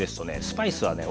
スパイスはね